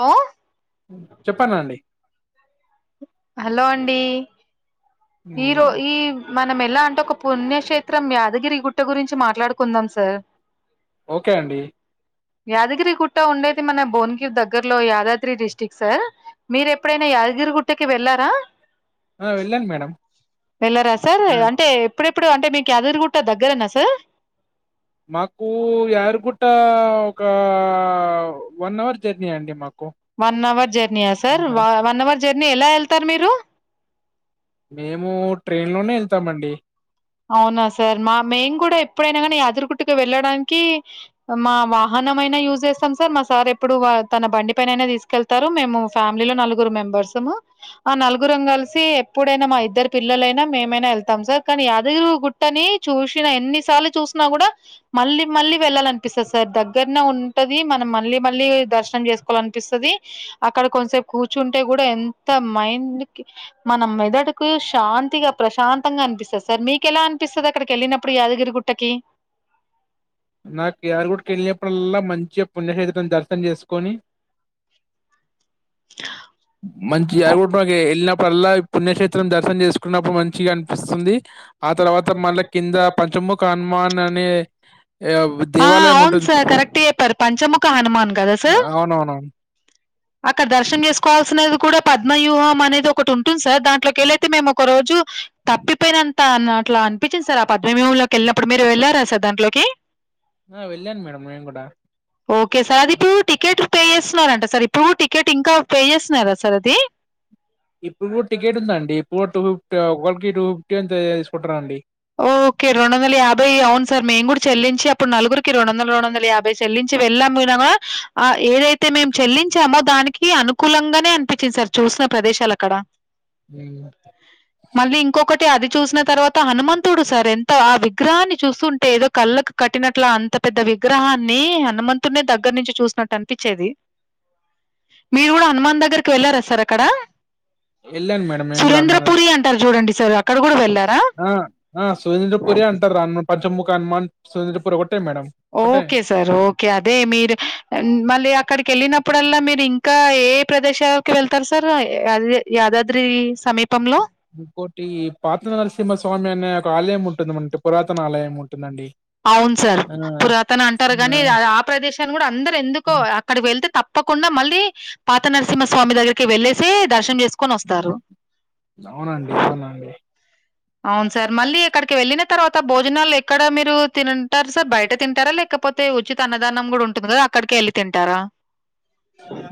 Hello చెప్పండండి hello అండి ఈరో హ్మ్. ఈ మ మనం ఎలా అంటే ఒక పుణ్యక్షేత్రం యాదగిరి గుట్ట గురించి మాట్లాడు కుందాం సార్ ఓకే అండి యాదగిరిగుట్ట ఉండేది మన బోన్గిరి దగ్గర్లో యాదాద్రి డిస్టిక్ట్ సార్ మీరెప్పుడైనా యాదగిరిగుట్టకి వెళ్ళారా ఆ వెళ్ళాను మేడం వెళ్లారా సార్ ఆ అంటే ఎప్పుడె ప్పుడు అంటే మీకు యాదగిరిగుట్ట దగ్గరేనా సార్ మాకు యారుగుట్ట క వన్ అవర్ జర్నీ అండి మా వన్ అవర్ జెర్నీయా సార్ వన్ అవర్ జర్నీ ఎలా ఎళ్తారు మీరు మేము ట్రైన్ లోనే ఎళ్తామండి అవునా సార్ మా మేం కూ డా ఎప్పుడైనా యాదగిరి గుట్ ట్టకి వెళ్ళడానికి మా వాహనం అయినా యూజ్ చేస్ సార్ మా సార్ ఎప్పుడు తన బండి పైనైనా తీసుకెళ్తారు మేము ఫ్యామిలీలో నలుగురు మెంబర్స్ ము ఆ నలుగురుం కలిసి ఎప్పుడైనా మా ఇద్దరు పిల్లలైనా మేమైనా వెళ్తాం సార్ కానీ దిగు గుట్టని చూసిన ఎన్నిసార్లు చూసినా కూడా మళ్ళీ మళ్ళీ వెళ్ళాలనిపిస్తది సార్ దగ్గరనే ఉంటది మనం మళ్ళీ మళ్ళీ దర్శనం చేసుకోవాల అనిపిస్తది అక్కడ కొంతసేపు కూర్చుంటే కూడా ఎంత మైండ్ మన మెదడుకు శాంతిగా ప్రశాంతంగా అనిపిస్తుంది సార్ మీకు కెలా అనిపిస్తది అక్కడికి వెళ్ళినప్పుడు యాదగిరి గుట్టకి నాకు యాదగిరి కెళ్లినప్పుడల్లా మంచి ముత్య పుణ్య హెత్రం దర్శనం చేసుకొని మంచి అగు టగె ఎళ్ళినప్పుడల్లా పుణ్యక్షేత్రం దర్శనం చేసుకున్నప్పుడు మంచిగ అనిపిస్తుంది ఆ తర్వత మళ్ళ కింద పంచముఖ హనుమాన్ అనే ఆహ్, ఆ దేవాలయం అవును ఉంటుంది సార్ కరెక్ట్ చెప్పారు పంచముఖ హనుమాన్ కదా సార్ అవునవునవును అక్కడ దర్శనం చేసుకోవాల్సినది కూడా పద్మ వ్యూహం అనెది ఒకటుం ంది సార్ దాంట్లో కెళ్ళైతే మేము ఒక రోజు తప్పిపోయినంత అంట్ల అనిపించంది సార్ ఆ పద్మమిూ లోకి వెళ్ళినప్పుడు మీరు వెళ్లార సార్ దాంట్ లోకి హ వెళ్ళాను మేడం నేను కూడా ఓకే సార్ ఇప్పు టికెట్ పే చేస్తున్నారంట సార్ ఇప్పు టికెట్ ఇం ఇంక పే చేస్తున్నార సార్ అది ఇప్పుడు టికెట్ ఉందండి బోటు ఇప్పుడు టూ ఫిఫ్టీ ఒకరికి టూ ఫిఫ్టీ అంత తీసుకుంటారా అండి ఓకే రెండొందల యాభై అవును సార్ మేము కూడా చెల్లి లించి అప్పుడు నలుగురికి రెండు వందల రెండు వంద యాభై చెల్లించి వెళ్ళాము పోయినామ్ కూడా ఆ ఏదైతే మేమ్ చెల్లించామో దానికి అను కులంగనే అనిపించింది సార్ చూసిన ప్రదేశాలు అక్కడ మళ్ళీ ఇంకొకటి అది చూసిన తర్వాత హనుమంత తర్ ఎంతో ఆ విగ్రహాన్ని చూస్తుంటే ఏదో కళ్ళకు కట్టినట్ల అంత పెద్ద విగ్రహాన్ని హనుమంత తునె దగ్గర్ నుంచి చూసినట్టు ఇప్పిచ్చెది మీరు కూడా హనుమాన్ దగ్గర్కి వెళ్లారా సార్ అక్క అక్కడ వెళ్ళాను మేడం మేము కూడా సురేంద్రపురి హనుమాన్ అంటరు చూడండి సార్ అక్కడ కూడా వెళ్ళారా ఆ ఆ సుేంద్రపురి అంటారు రాన్ పంచ ముక హనుమాన్ సురేంద్రపురి ఒకటే మేడం ఒకటే ఓకే సార్ ఓకే అదే మీరు మళ్ళీ అక్కడికి వెళ్ళినప్పుడల్లా మీరు ఇంకా ఏ ప్రదేశాల వెళ్తారు సర్ అదె యాదద్రీ సమీప ఇంకోటి పాత నరసింహ స్వామి అనే ఒక ఆలయం ఉంటుంది మన ఇంటి పురాతన ఆలయం ఉన్ తుందండి అవును సార్ పురాతన అంటారు గాని ఆ ఆ ప్రదేశాన్ని గూడా అందరు ఎందుకో అక్కడికి వెళ్తే తప్పకుండా మళ్ళీ పాత నరసింహ స్వామి దగ్గరికి వెళ్ళేసి దర్శనం చేసుకొని వస్తారు అవునండి అవునండి అవును సార్ మళ్ళీ ఎక్కడికి వెళ్లిన తర్వాత భోజనాలు ఎక్కడ మీరు తినన్ టారు సార్ బయట తింటారా లేకపోతే ఉచిత అన్నదానం గూడా ఉంటుంది గదా అక్కడికి వెళ్లి తింటారా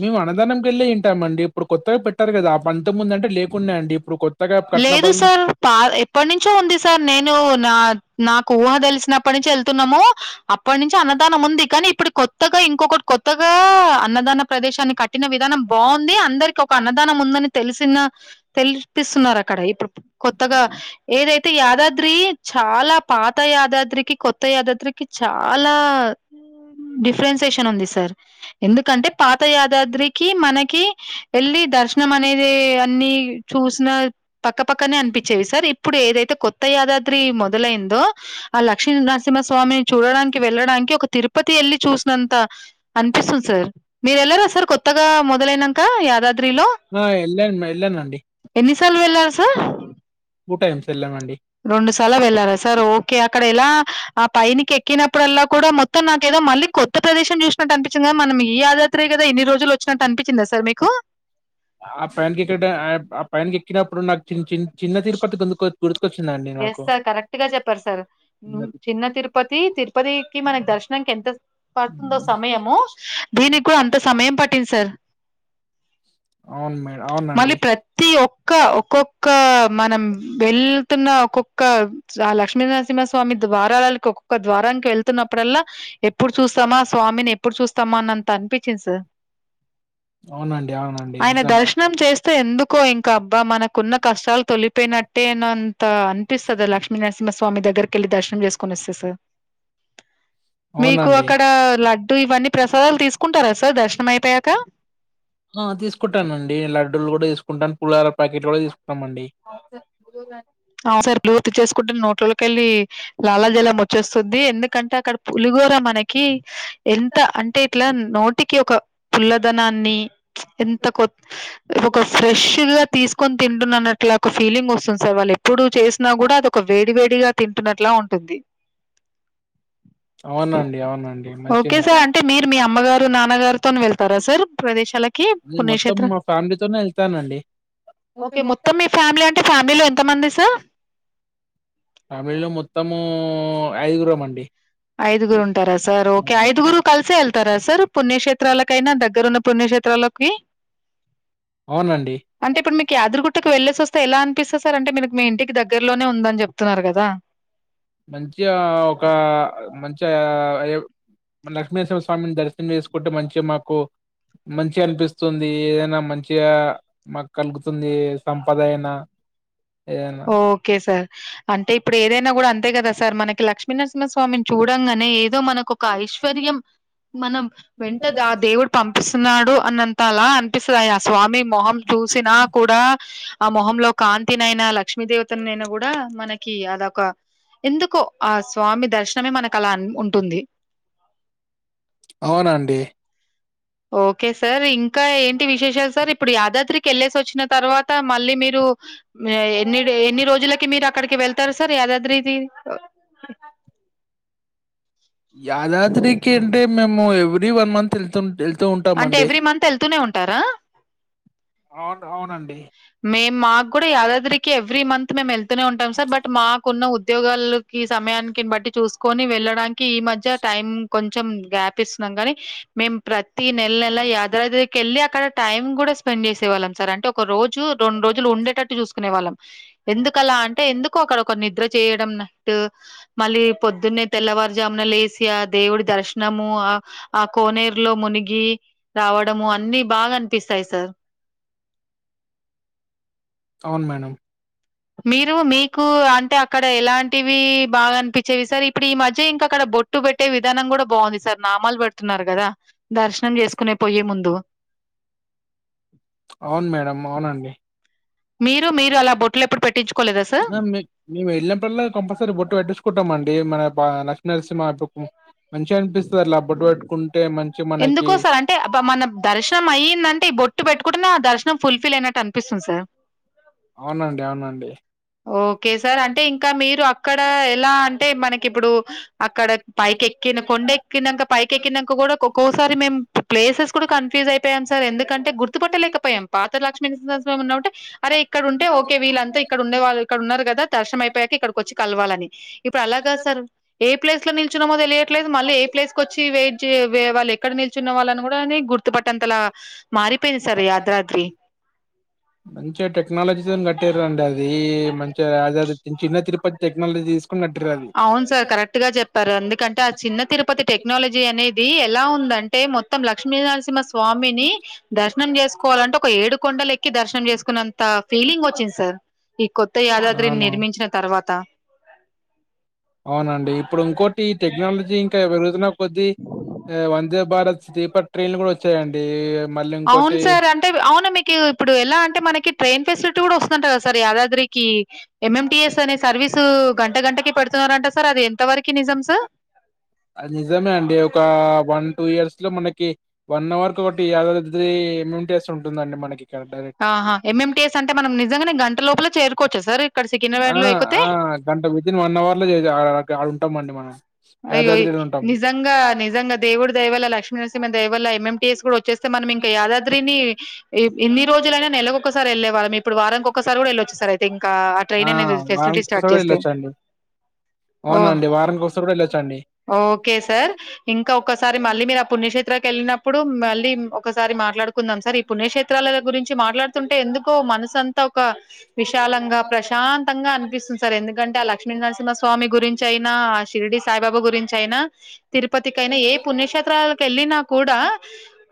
మేము అన్నదానంకి వెళ్ళి ఇంటమ్ అండి కొత్తగా పెట్టారు గదా అప్ అంతముందు అంటే లేకుండే అండి ఇప్పుడు కొట్ లేదు సార్ పా ఎప్పటి నుంచో ఉంది సార్ నేను నా నాకు ఊహ తెలిసినప్పటి నుంచి వెళ్తున్నాము అప్పటి నుంచి అన్నదానం ఉంది కానీ ఇప్పుడు కొత్తగా ఇంకొకటి కొత్తగా క అన్నదాన ప్రదేశాన్ని పట్టిన విధానం బాగుంది అందరికి ఒక అన్నదానం ఉందని తెలిసిన తెలుసు ఇప్పిస్తున్నారు అక్కడ ఇప్పుడు కొత్తగా ఏదైతే యాదాద్రి చాలా పాత యాదాద్రికి కొత్త యాదాద్ కి చాలా డిఫరెన్సేషన్ ఉంది సార్ ఎందుకంటే పాత యాదాద్రికి మనకి వెళ్ళి దర్శనం అనేది అన్ని చూసినర్ పక్కపక్కనే అనిపించేవి సార్ ఇప్పుడు ఏదైతే కొత్త యాదాద్రి మొదలైందో ఆ లక్ష్మీ నరసింహ స్వామిని చూడడానికి వెళ్లడానికి ఒక తిరుపతి వెళ్లి చూసినంత అనిపిస్తుంది సార్ మీరు వెళ్లరా సార్ కొత్తగా మొదలైనంక యాద్ ఆ ఎలను మెళ్ళానండి ఎన్నిసార్లు వెళ్ళారు సార్ టు టైంస్ వెళ్ళమ్ అండి రెండు సార్ల వెళ్ళారా సార్ ఓకే అక్కడ ఎలా ఆ పైనికి ఎక్కినప్పుడల్లా కూడా మొత్ త్తం నాకేదో మళ్ళీ కొత్త ప్రదేశం చూస్ వచ్చినట్టు అనిపించింది మనం ఈ యాదత్రే గదా ఇన్ని రోజులు వచ్చినట్టు అనిపించిందా సార్ మీకు ఆ ఫ్రండ్ క్రికెట్ ఆ పైను కికె క్రినా ప్రొనాట్ ఎస్ నాకు సార్ కరెక్ట్ గా చెప్పారు సార్ చిన్నది. చిన్న తిరుపతి తిరుపతికి మనకి దర్శనానికి ఎంత పడుతుందో హ్మ్. సమయము దీనికి కూడా అంత సమయం పట్టింది సార్ అవును మేడం అవునండి మళ్ళీ ప్రతి ఒక్క ఒక్కొక్క మనం వెళ్తున్న ఒక్కొక్క ఆ లక్ష్మీనరసింహ స్వామి ద్వారాలకి ఒక్కొక్క ద్వారానికి వెళ్తున్నప్పుడల్లా ఎప్పుడు చూస్తామా ఆ స్వామిని ఎప్పుడు చూస్తామా అన్నంత అనిపించింది సార్ అవునండి అవునండి నిజం సే ఎందుకో ఇంకా అబ్బా మనకున్న కష్టాలు తొలిపేనట్టే నఅంత అనిపిస్తది ఆ లక్ష్మీ నర్సి చిన్నస్వామి దగ్గరికి వెళ్ళి దర్శనం చేసుకొని వస్తది సర్ మీకు అవునండి అక్కడా ల ఇటు ఇవన్ని ప్రసాదాలు తీసు ఆ తీసుకుంటానండి ల డ్డులు కూడా తీసుకుంటాం పులహర ప్యాకెట్ కూడ తీసుకుంటామండి ఆ సార్ బ్లూత్ చెసు కుటు నోట్లలో కెళ్ళి లాలాజలం వచ్చేస్తుంది ఎందుకంటే అక్కడ పులిహోర మనకి ఎంత అంటె ఇట్ల నోటికి ఒక పుల్ల దనాన్ని ఎంత కొ ఒక ఫ్రెష్ గా తీసుకొని తింటున్నాన ఇట్లా ఒక ఫీలింగ్ వస్తుంది సార్ వాళ్ళు ఎప్పుడు చేసినా కూడా అది ఒక వేడి వేడిగా తింటున్నారు ఐట్లా ఉంటది అవునండి అవునండి మంచిగా తో వెళ్తరా సార్ ప్రదేశాలకి నేను మొత్తం పుణ్యక్షేత్ర మా ఫ్యామిలీతోనే ఎళ్తానండి ఓకే మొత్తం ఫ్యామిలీ అంటే ఫ్యామ్లిలో ఎంత మంది సార్ మా ఇళ్లో మొత్తమూ ఐదుగురం అండి ఐదుగురు ఉంటార సార్ ఓకే ఐదుగురు కలిసే వెళ్తార సర్ పుణ్యక్షేత్రాలకైనా దగ్గరున్న పుణ్యక్షేత్రాలకి అవునండి అంటే ఇప్పుడు మీకు యాదరిగుట్టకి వెళ్లేేసి వస్తే ఎలా చూపిస్తా సార్ అంటే మీకు మీ ఇంటికి దగ్గరలోనే ఉందని చెప్తున్నారు కదా మంచిగా ఆ ఒక మంచి చా ఏవ్ మ లక్ష్మీేశ్వర స్వామిని దర్శనం చేసు ఫుడ్ మంచిగా మాకు మంచి అనిపిస్తుంది ఏదైన మం చిగా మాక్ కలుగుతుంది ఏ సంపదైనా ఓకె సార్ అంటే ఇప్పుడు ఏదైనా కూడా అంతే కదా సర్ మనకి లక్ష్మీనరసింహ స్వామిని చూడంగానే ఏదో మనకు ఒక ఐశ్వర్యం మనం వెంట ఆ దేవుడు పంపిస్తున్నాడు అన్నంత అలా అనిపిస్తుంది ఆ స్వామి మొహం చూసినా కూడా ఆ మొహంలో కాంతిినైనా లక్ష్మీ దేవత నైనా కూడా మనకి అదొక ఎందుకో ఆ స్వామి దర్శనమే మనకు అలా అన్ ఉం ఉంటుంది. అవునండి. ఓకే సార్ ఇంకా ఏంటి విశేషాలు సార్. ఇప్పుడు యాదాద్రికి వెళ్ళేసి వచ్చిన తర్వాత మళ్ళీ మీరు ఎన్ని డే ఎన్ని రోజులకి మీరు అక్. అక్కడికి వెళ్తారు సార్ యాదాద్రిది. ఉమ్. యాదాద్రికి అంటే మేము ఎవరీ. ఎవరీ వన్ మంత్ వెళ్తమ్. వెళ్తూ అంటే ఉంటామండి ఎవ్రీ మంత్ వెళ్తూనే ఉంటారా అవును అవునండి. మేం మాక్ కూడా యాదాద్రికి ఎవ్రి మంత్ మెమ్ వెళ్. వెళ్తూనే ఉంటాం సార్ బట్ మాకున్న ఉద్యోగాలకి సమయానికి బట్టి చూసుకొని వెళ్ళడానికి ఈ మధ్య టైం కొంచెం. గ్యాప్ తిస్తున్నాం గాని మేం ప్రతి నెల్ నెల యాదాద్రికి వెళ్ళి అక్కడ టైం కూడా స్పెండ్ పనిచేసే వాళ్లుం సరా. ఒక రోజు రెండు రోజులు ఉండేటట్టు చూసుకునే వాళ్ళం ఎందుకలా అంటే ఎందుకు అక్కడ ఒక నిద్ర చేయడం నట్టు మళ్ళీ పొద్దున్నే తెల్లవారుజామున లేసి. దేవుడి దర్శనము ఆహ్ ఆ కోనేరులో మునిగి రావడము అన్ని బాగా అనిపిస్తాయి సార్. అవును మేడం. మీరు మీకు అంటే అక్కడ ఎలాంటివి. బాగా అనిపించేవి సార్. ఇప్పుడు ఈ మధ్య ఇంక అక్కడ బొట్టు పెట్టే విధానం కూడా బాగుంది సార్ నామాలు పెడుతున్నారు కదా దర్శనం చేసుకునే పోయే ముందు. అవును మేడం అవునండి మే మీరు మీరు అలా బొట్లెప్పుడు పెట్టించుకోలేదా సార్? మేము వెళ్ళినప్పుల్లా కంపల్సరీ బొట్టు పెట్టటించుకుంటాం మండి. ఏ మారాత్ ఆహ్ లక్ష్మీ నరసింహ దుకు. మంచి మనకి ఎందుకో సార్ అంటే మన దర్శనం అయ్యిందంటే బొట్టు పెట్టుకుంటేనే ఆ దర్శనం ఫుల్ ఫిల్ అయినట్టానీ. అనిపిస్తుంది సార్. అవునండి అవునండి ఓకే సార్ అంటే ఇంకా మీరు అక్కడ ఎలా అంటే మనకి ఇప్పుడు. ఆహ్ అక్కడ పైకి ఎక్కిన. కొండ ఎక్కినాక పైకి ఎక్కినాక కూడా ఒక్కోసారి మేము ప్లేసెస్ కూడా కన్ఫ్యూజన్ అయిపోయాం సార్. ఎందుకంటే గుర్తుపట్టలేకపోయాం పాత లక్ష్మి నరసింహ స్వామి ఉంటే అరే ఇక్కడ ఉంటే ఓకే వీళ్ళంతా ఇక్కడ ఉండేళ్ళ ఇక్కడ ఉన్నారు కదా దర్శన అయిపోయాక ఇక్కడికి వచ్చి. కలవాలని. ఇప్పుడు అలా కాదు సార్ ఏ ప్లేస్ లో నిలుచున్నామో తెలియ ట్లేదు మళ్ళీ ఏ ప్లేస్కి వచ్చి వెయిట్ చేే వాళ్ళ ఎక్కడ నిల్చున్న వాళ్ళని కూడా గుర్తుపట్ట అంతలా మంచిగా టెక్నాలజీ తోని కట్టిర్రండి అది మంచిగా యాదాది చిన్న తిరుపతి టెక్నాలజీస్ అవును సార్ కరెక్ట్ గా చెప్పారు ఎందుకంటే ఆ చిన్న తిరుపతి టెక్నాలజీ అనే ది ఎలా ఉందంటే మొత్తం లక్ష్మీనరసింహ స్వామిని దర్శనం చేసుకోవాలంటే ఒక ఏడు కొండలు ఎక్కి దర్శనం చేసుకున్నంత ఫీలింగ్ వచ్చింది సార్ ఈ కొత్త యాదాద్రిని అవును నిర్మించిన తర్వాత [inaudible] అవునండి ఇప్పుడు ఇంకోటి టెక్నాలజీ ఇంకా పెరుగుతున్న కొద్ది ఇగ వంచ భారత్ స్టే పట్ అవును సార్ అంటే అవునా మీకు ఇప్పుడు ఎలా అంటే మనకి ట్రైన్ ఫెసిలిటీ కూడా వస్తుందంట కదా సార్ యాదాద్రికి యం యు టి ఎస్ అనే సర్వీసు గంట గంటకి పెడుతున్నారుంట సార్ అది ఎంత వరకి నిజం స నిజమే అండి ఒక వన్ టూ ఇయర్స్ లో మనకి వన్ అవర్ కోటి Yadadri M M T S ఉంటుందండి మనకి ఇక్కడ డైరెక్ట్ ఆహా రం యం టి యస్ అంటే మనం నిజంగానే గంట లోపల చేరుకోవచ్చా సార్ ఇక్కడ ఆ సికింద్రాబాద్‌లో ఎక్కితే? ఆ గంట వితిన్ వన్ అవర్ లో చే [unintelligible] గా ఆడుంటామండి మనం అయ్యో య్ యాదాద్రిలో ఉంటాం నిజంగా నిజంగా దేవుడి దయవల్ల లక్ష్మీ నరసింహ దయవల్ల మెం టి యస్ కూడొ చేస్తే మనం ఇంక యాదాద్రిని ఇన్ని రోజులైనా నెలకొక్క ఎళ్ళే వాళ్ళం ఇప్పుడు వారానికొక్కసారి కూడా వెళ్ళొచ్చు సార్ అయితే ఇంక ఆ ట్రైన్ అనేది ఫెసిలిటీ వారానికి స్టార్ట్ ఒకసారి కూడా చేస్తే వెళ్ళొచ్చండి ఓ అవునండి వారానికి ఒకసారి కూడా వెళ్ళొచ్చండి ఓకే సార్ ఇంకా ఒకసారి మళ్ళీ మీరు ఆ పుణ్యక్షేత్ కెళ్ళినప్పుడు మళ్ళీ ఒ క్కసారి మాట్లాడుకుందాం సరి పుణ్యక్షేత్రాల గురించి మాట్లాడుతుంటే ఎందుకో మనసం కే విశాలంగా ప్రశాంతంగా అనిపిస్తుంది సార్ ఎందుకంటే ఆ ల క్ష్మీనరసింహ స్వామి గురించి అయినా ఆ షిరిడి సాయిబాబా గురించి అయినా తిరుపతికైనా ఏ పుణ్యక్షేత్రాలకెళ్ళినా కూడా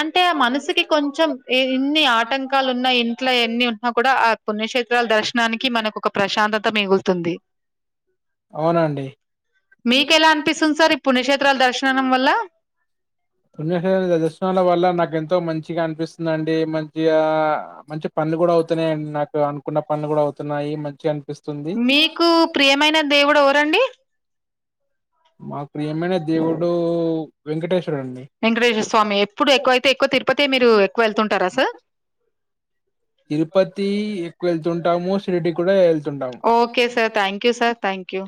అంటే ఆ మనసుకి కొంచెం ఇన్ని ఆటంకాలు ఉన్నాయి ఇంట్లో ఎన్ని నా కూడా పుణ్యకత్రాల దర్శనానికి మనకు ఒక ప్రశాంతత మిగులుతుంది అవునండి మీ మీకెలా అనిపిస్తుంది సార్ ఈ పుణ్యక్షేత్రాల దర్శనం వల్ల? పణ్య క దర్శనా వల్ నాకు ఎంతో మంచిగా అనిపిస్తుందిండి మంచిగా మంచి పనులు కూడా అవుతున్నాయి నాకు అను న్న పనిలు కూడా అవుతున్నాయి మంచిగా అనిపిస్తుంది మీకు ప్రియమైన దేవుడు ఎవరండి మా ప్రయమేనే దేవుడు వెంకటేశ వెంకటేశ్వర స్వామి ఎప్పుడు ఎక్కువ అయితే ఎక్కువ తిరుపతి మీరు ఎక్కువ వెళ్తుంటారా సార్ తిరుపతి ఎక్కువ వెళ్తుంటాము సిరిడ్డి కూడా వెళ్తుంటాము okay sir thank you sir thank you